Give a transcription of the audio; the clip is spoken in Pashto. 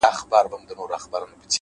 د حقیقت مینه وجدان روښانوي’